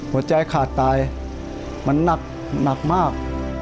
หัวใจขาดตายมันหนักมาก